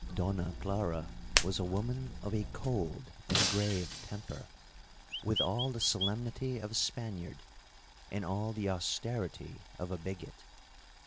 'Donna Clara was a woman of a cold and grave temper, with all the solemnity of a Spaniard, and all the austerity of a bigot.